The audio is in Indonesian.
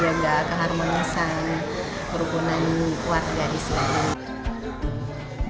dengan keharmonisan warga islam